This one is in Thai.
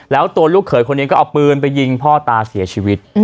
แล้วตัวลูกเขยคนนี้ก็เอาปืนไปยิงพ่อตาเสียชีวิต